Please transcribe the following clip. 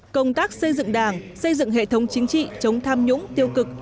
công tác xây dựng đảng xây dựng hệ thống chính trị chống tham nhũng tiêu cực